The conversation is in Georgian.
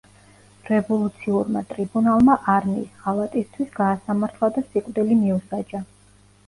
რევოლუციურმა ტრიბუნალმა არმიის ღალატისთვის გაასამართლა და სიკვდილი მიუსაჯა.